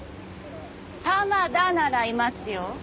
玉田ならいますよ。